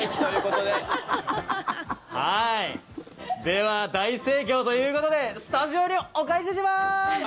では、大盛況ということでスタジオにお返しします！